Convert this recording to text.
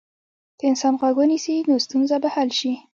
که انسان غوږ ونیسي، نو ستونزه به حل شي.